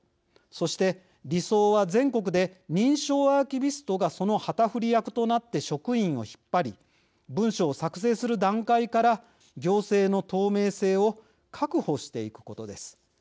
そして理想は全国で認証アーキビストがその旗振り役となって職員を引っ張り文書を作成する段階から行政の透明性を確保していくことです。